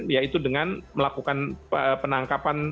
yaitu dengan melakukan penangkapan